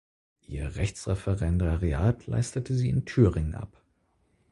Ihr Rechtsreferendariat leistete sie in Thüringen ab.